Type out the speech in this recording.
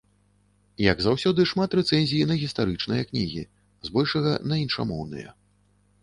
Як заўсёды шмат рэцэнзій на гістарычныя кнігі, збольшага на іншамоўныя.